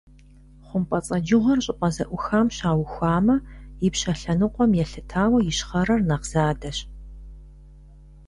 ХъумпӀэцӀэджыгъуэр щӀыпӀэ зэӀухам щаухуамэ, ипщэ лъэныкъуэм елъытауэ ищхъэрэр нэхъ задэщ.